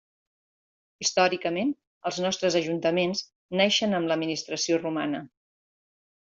Històricament, els nostres ajuntaments naixen amb l'administració romana.